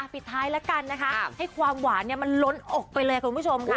ปิดท้ายแล้วกันนะคะให้ความหวานมันล้นอกไปเลยคุณผู้ชมค่ะ